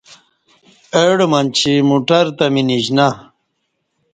اہ ڈہ منچی مٹر تہ می نیݜنہ